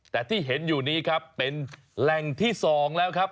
แต่ที่เห็นอยู่นี้ครับเป็นแหล่งที่๒แล้วครับ